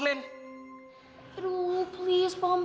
gua suruh mpropura ribut gitu sama glenn